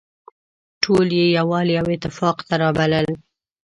ټول يې يووالي او اتفاق ته رابلل.